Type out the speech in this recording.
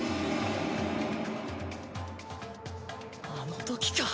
あの時か。